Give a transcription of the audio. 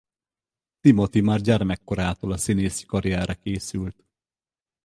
Timothy már gyermekkorától a színészi karrierre készült.